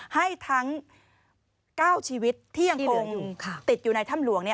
ให้ทั้ง๙ชีวิตที่ยังคงติดอยู่ในถ้ำหลวง